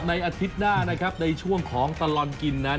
อาทิตย์หน้านะครับในช่วงของตลอดกินนั้น